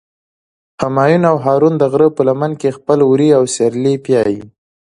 همایون او هارون د غره په لمن کې خپل وري او سرلي پیایی.